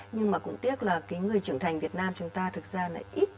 nhưng mà cũng tiếc là cái người trưởng thành việt nam chúng ta thực ra là ít